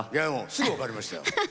すぐ分かりましたよ。